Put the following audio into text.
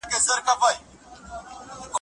پېغله د ګل میستري